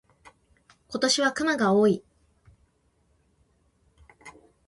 今年は熊が多い。